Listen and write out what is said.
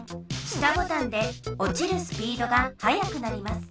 下ボタンでおちるスピードが速くなります。